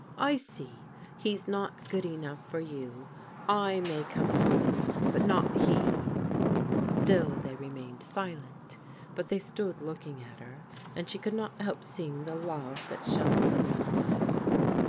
" I see ! He's not good enough for you ! I may come home, but not he !" Still they remained silent, but they stood looking at her, and she could not help seeing the love that shone from their eyes.